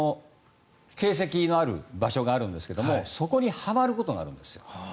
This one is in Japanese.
形跡のある場所があるんですがそこにはまることがあるんですよ。